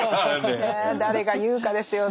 誰が言うかですよね。